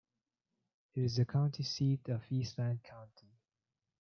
It is the county seat of Eastland County.